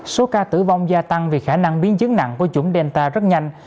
số ca tử vong gia tăng vì khả năng biến chứng nặng của chủng delta rất nhanh